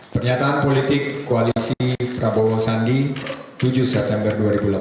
pernyataan politik koalisi prabowo sandi tujuh september dua ribu delapan belas